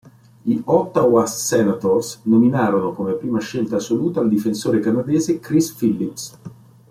Gli Ottawa Senators nominarono come prima scelta assoluta il difensore canadese Chris Phillips.